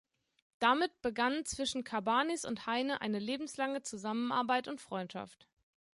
Damit begann zwischen Cabanis und Heine eine lebenslange Zusammenarbeit und Freundschaft.